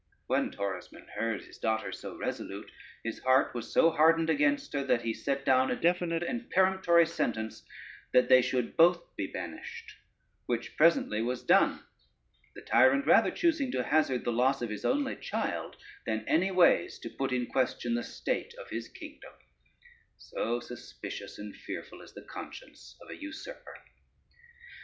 When Torismond heard his daughter so resolute, his heart was so hardened against her, that he set down a definite and peremptory sentence, that they should both be banished, which presently was done, the tyrant rather choosing to hazard the loss of his only child than anyways to put in question the state of his kingdom; so suspicious and fearful is the conscience of an usurper.